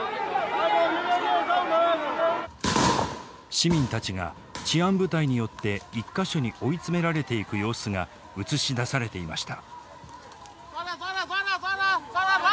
市民たちが治安部隊によって１か所に追い詰められていく様子が映し出されていました。